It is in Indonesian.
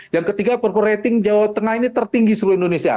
yang ketiga per per rating jawa tengah ini tertinggi seluruh indonesia